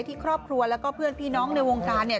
ที่ครอบครัวแล้วก็เพื่อนพี่น้องในวงการเนี่ย